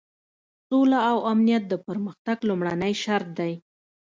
سوله او امنیت د پرمختګ لومړنی شرط دی.